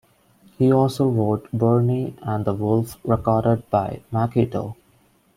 He also wrote "Bernie and The Wolf" recorded by Machito.